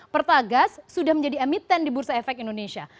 pertagas sudah menjadi emiten di bursa efek indonesia